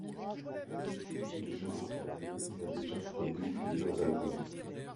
Il joue au clavier et a déjà produit plusieurs albums.